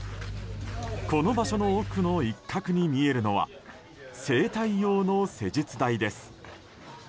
この場所の奥の一角に見えるのは整体用の施術台です。